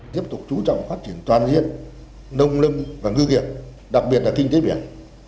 tiếp tục chú trọng phát triển toàn diện nông lâm và ngư nghiệp đặc biệt là kinh tế biển